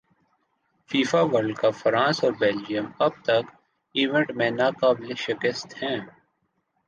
FIFA world cup France اور Belgium اب تک ایونٹ میں ناقابل شکست ہیں